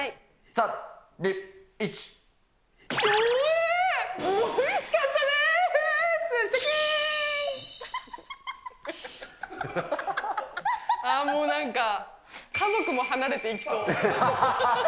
ああ、もう、なんか、家族も離れていきそう。